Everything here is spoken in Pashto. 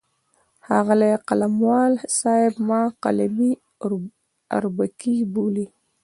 ښاغلی قلموال صاحب ما قلمي اربکی بولي.